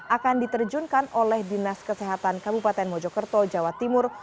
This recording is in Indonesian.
akan diterjunkan oleh dinas kesehatan kabupaten mojokerto jawa timur